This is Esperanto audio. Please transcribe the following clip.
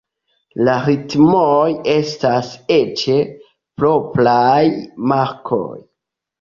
La ritmoj estas eĉ propraj markoj.